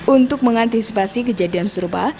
untuk mengantisipasi kejadian serba